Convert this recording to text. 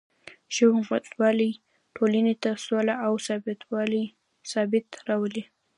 ښه حکومتولي ټولنې ته سوله او ثبات راولي.